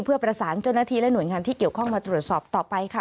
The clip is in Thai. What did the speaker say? เพื่อประสานเจ้าหน้าที่และหน่วยงานที่เกี่ยวข้องมาตรวจสอบต่อไปค่ะ